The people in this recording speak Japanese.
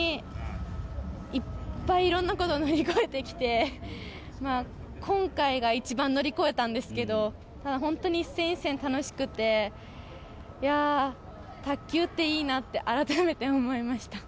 いっぱいいろんなことを乗り越えてきて今回が一番乗り越えたんですけど、一戦一戦楽しくて、卓球っていいなって改めて思いました。